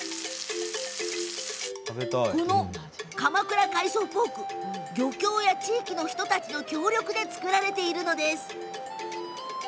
この鎌倉海藻ポーク漁協や地域の人たちの協力で作られているのです。